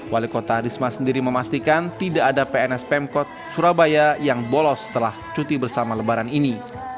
wali kota risma sendiri memastikan tidak ada pns pemkot surabaya yang bolos setelah cuti bersama lebaran ini